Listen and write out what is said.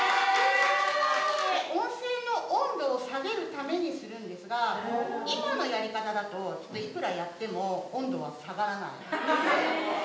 温泉の温度を下げるためにするんですが、今のやり方だといくらやっても温度は下がらない。